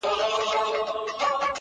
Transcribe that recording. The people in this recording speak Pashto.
زړه چي په لاسونو کي راونغاړه_